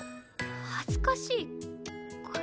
恥ずかしいから。